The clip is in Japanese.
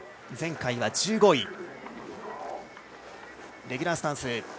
前回は１５位。